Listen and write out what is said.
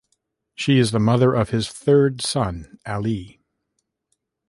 She is the mother of his third son, Ali.